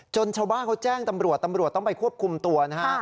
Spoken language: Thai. ชาวบ้านเขาแจ้งตำรวจตำรวจต้องไปควบคุมตัวนะฮะ